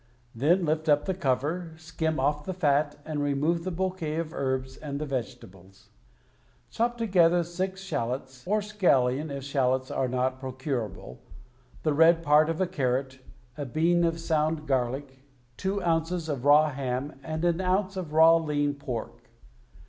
Then lift up the cover, skim off the fat, and remove the bouquet of herbs and the vegetables. Chop together six shallots, or scallions if shallots are not procurable, the red part of a carrot, a bean of sound garlic, two ounces of raw ham and an ounce of raw lean pork.